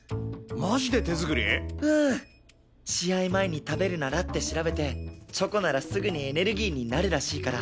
試合前に食べるならって調べてチョコならすぐにエネルギーになるらしいから。